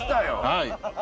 はい。